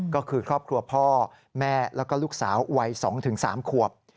ก็คือครอบครัวพ่อแม่แล้วก็ลูกสาววัย๒๓ขวบ